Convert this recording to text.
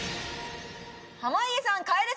濱家さん